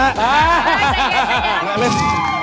ใจเย็น